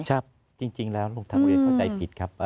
จริงแล้วโรงเรียนเข้าใจผิดครับ